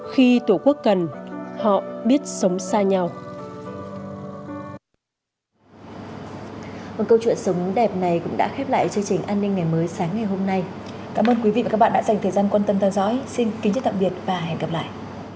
xin kính chào tạm biệt và hẹn gặp lại